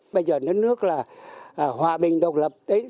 bây giờ nước nước là hòa bình độc lập